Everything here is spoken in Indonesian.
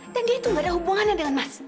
dan dia itu gak ada hubungannya dengan mas